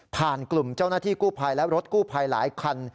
กลุ่มเจ้าหน้าที่กู้ภัยและรถกู้ภัยหลายคัน